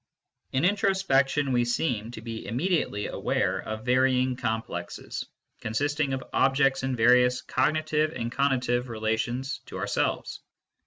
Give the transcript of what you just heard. In introspection, we seem to be immediately aware of varying complexes, consisting of objects in various cog nitive and conative relations to ourselves.